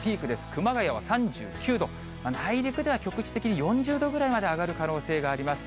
熊谷は３９度、内陸では局地的に４０度ぐらいまで上がる可能性があります。